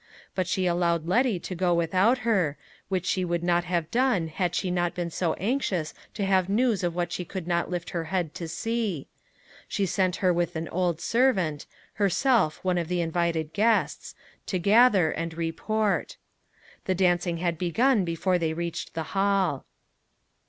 But she allowed Letty to go without her, which she would not have done had she not been so anxious to have news of what she could not lift her head to see: she sent her with an old servant herself one of the invited guests to gather and report. The dancing had begun before they reached the hall.